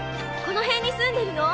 この辺に住んでるの？